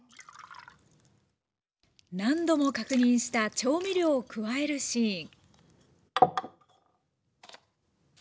何度も確認した調味料を加えるシーン